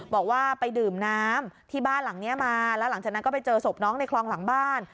บอกว่าไปดื่มน้ำที่บ้านหลังนี้มาแล้วหลังจากนั้นก็ไปเจอศพน้องในคลองหลังบ้าน